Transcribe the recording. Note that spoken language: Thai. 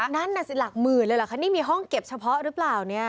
นั่นน่ะสิหลักหมื่นเลยเหรอคะนี่มีห้องเก็บเฉพาะหรือเปล่าเนี่ย